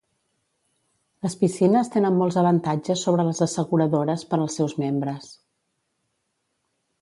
Les piscines tenen molts avantatges sobre les asseguradores per als seus membres.